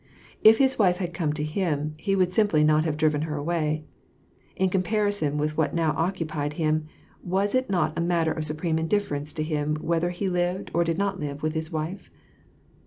If his wife had come to him, he would simply not have driven her away. In comparison with what now occu pied him, was it not a matter of supreme indifference to him whether he lived or did not live with his wife